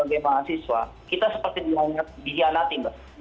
kita sebagai mahasiswa kita seperti dihianati